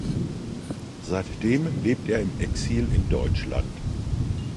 Seitdem lebt er im Exil in Deutschland.